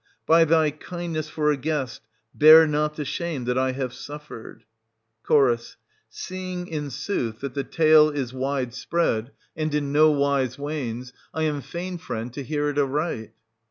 By thy kindness for a guest, bare not the shame that I have suffered ! Ch. Seeing, in sooth, that the tale is wide spread. 8o SOPHOCLES, [518—537 and in no wise wanes, I am fain, friend, to hear it aright.